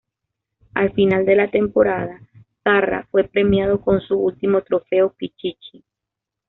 Al final de la temporada, Zarra fue premiado con su último Trofeo Pichichi.